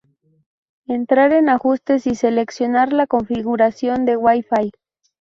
Entrar en Ajustes y seleccionar la configuración de Wi-Fi.